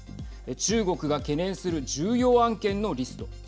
中国が懸念する重要案件のリスト。